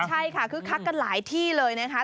ใช่ค่ะคึกคักกันหลายที่เลยนะคะ